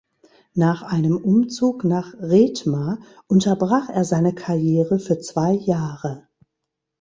Nach einem Umzug nach Rethmar unterbrach er seine Karriere für zwei Jahre.